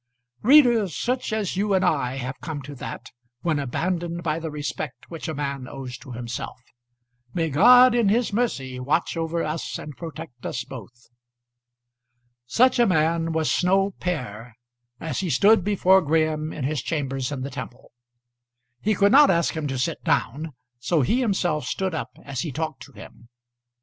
Reader, such as you and I have come to that, when abandoned by the respect which a man owes to himself. May God in his mercy watch over us and protect us both! Such a man was Snow père as he stood before Graham in his chambers in the Temple. He could not ask him to sit down, so he himself stood up as he talked to him.